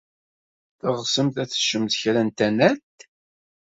Teɣsemt ad teččemt kra n tanalt?